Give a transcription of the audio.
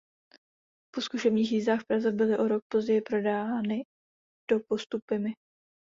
Po zkušebních jízdách v Praze byly o rok později prodány do Postupimi.